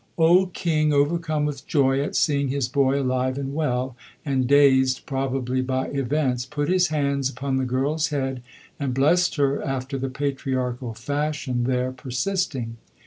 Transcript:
Old King, overcome with joy at seeing his boy alive and well, and dazed, probably, by events, put his hands upon the girl's head and blessed her after the patriarchal fashion there persisting.